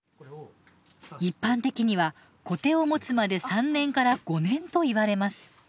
一般的にはコテを持つまで３年から５年といわれます。